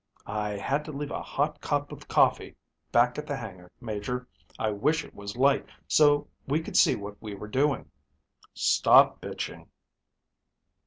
"I had to leave a hot cup of coffee back at the hangar, Major. I wish it was light so we could see what we were doing." "Stop bitching."